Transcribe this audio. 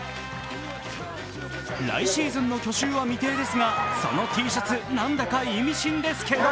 来シーズンの去就は未定ですが、そのＴシャツ、何だか意味深ですけど。